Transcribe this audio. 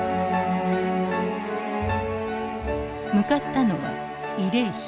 向かったのは慰霊碑。